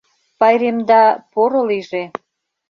Пайремда поро лийже.